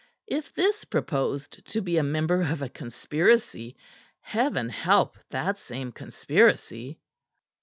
If this proposed to be a member of a conspiracy, Heaven help that same conspiracy!